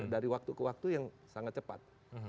dari waktu ke waktu yang sangat cepat